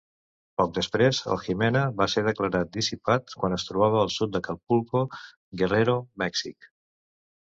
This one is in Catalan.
Poc després, el Jimena va ser declarat dissipat quan es trobava al sud d'Acapulco, Guerrero, Mèxic.